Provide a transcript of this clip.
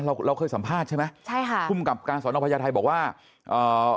เราเราเคยสัมภาษณ์ใช่ไหมใช่ค่ะภูมิกับการสอนอพญาไทยบอกว่าอ่า